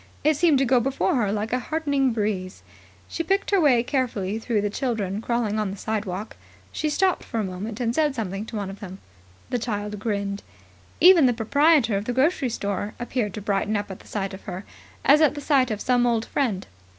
It seemed to go before her like a heartening breeze. She picked her way carefully through the children crawling on the side walk. She stopped for a moment and said something to one of them. The child grinned. Even the proprietor of the grocery store appeared to brighten up at the sight of her, as at the sight of some old friend.